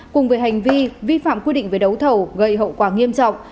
cùng với hành vi vi phạm quy định về đấu thầu gây hậu quả nghiêm trọng